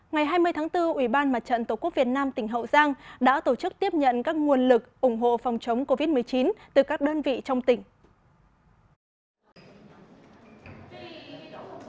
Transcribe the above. ngày hai mươi tháng bốn ủy ban mặt trận tổ quốc việt nam tỉnh hậu giang đã tổ chức tiếp nhận các nguồn lực ủng hộ phòng chống covid một mươi chín từ các đơn vị trong tỉnh